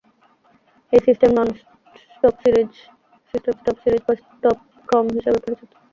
এই system stop series বা stop ক্রম হিসাবে পরিচিত।